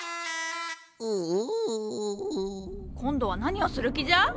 うう。今度は何をする気じゃ？